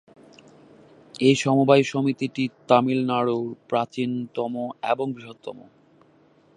এই সমবায় সমিতিটি তামিলনাড়ুর প্রাচীনতম এবং বৃহত্তম।